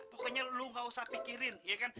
pokoknya lu gak usah pikirin ya kan